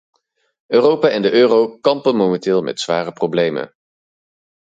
Europa en de euro kampen momenteel met zware problemen.